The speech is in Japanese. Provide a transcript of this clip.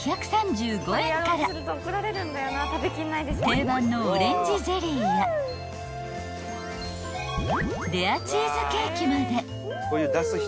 ［定番のオレンジゼリーやレアチーズケーキまで］